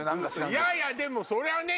いやいやでもそれはね。